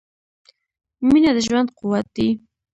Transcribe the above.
• مینه د ژوند قوت دی.